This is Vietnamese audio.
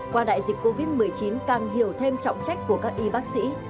qua đại dịch covid một mươi chín càng hiểu thêm trọng trách của các y bác sĩ